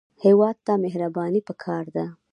هېواد ته مهرباني پکار ده